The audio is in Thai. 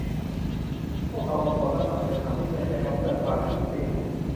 พวกเขาอดทนและฟัง จนทำให้เมื่อยแต่ก็เพื่อฟังทุกเสียง